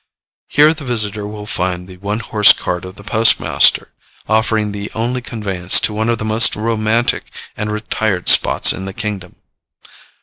Here the visitor will find the one horse cart of the postmaster, offering the only conveyance to one of the most romantic and retired spots in the kingdom.